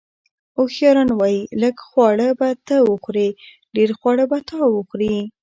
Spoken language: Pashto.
اوښیاران وایي: لږ خواړه به ته وخورې، ډېر خواړه به تا وخوري.